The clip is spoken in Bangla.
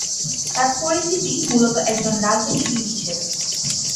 তার পরিচিতি মূলত একজন রাজনীতিবিদ হিসেবে।